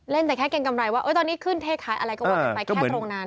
แต่แค่เกรงกำไรว่าตอนนี้ขึ้นเท่ขายอะไรก็ว่ากันไปแค่ตรงนั้น